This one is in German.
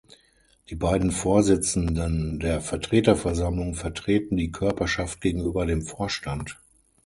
Die beiden Vorsitzenden der Vertreterversammlung vertreten die Körperschaft gegenüber dem Vorstand.